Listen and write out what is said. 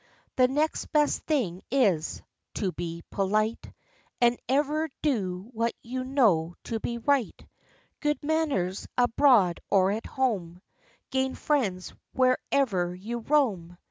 The next best thing is, to be polite, And ever do what you know to be right: Good manners, abroad or at home, Gain friends wherever you roam."